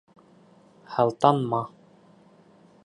Һылтанма!